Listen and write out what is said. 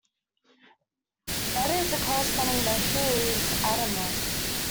That is, the corresponding measure is atomless.